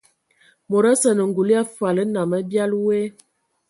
Mod osə anə ngul ya fol nnam abiali woe.